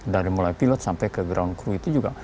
dari mulai pilot sampai ke ground crew itu juga